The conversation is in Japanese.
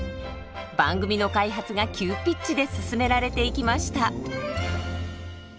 番組の開発が急ピッチで進められていきました。